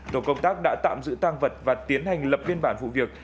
tổ công tác đã tạm giữ tăng vật và tiến hành lập biên bản vụ việc